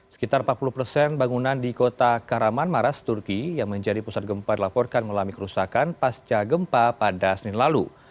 sekitar empat puluh persen bangunan di kota karaman maras turki yang menjadi pusat gempa dilaporkan mengalami kerusakan pasca gempa pada senin lalu